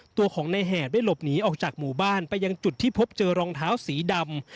ตัวของในแหบได้หลบหนีออกจากหมู่บ้านไปยังจุดที่พบเจอรองเท้าสีดำ